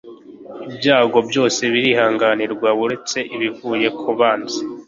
ibyago byose birihanganirwa, uretse ibivuye ku banzi